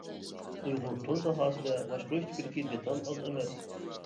ئۇيغۇر تور ساھەسىدە باشقۇرۇش تىپىدىكى دېتال ئاز ئەمەس.